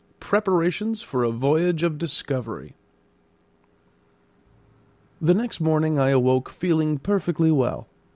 PREPARATIONS FOR A VOYAGE OF DISCOVERY The next morning I awoke feeling perfectly well.